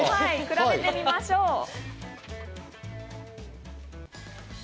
比べてみましょう。